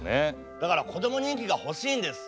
だからこども人気が欲しいんです。